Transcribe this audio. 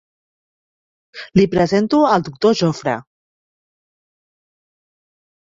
Li presento el doctor Jofre.